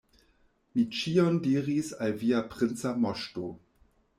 Mi ĉion diris al via princa moŝto.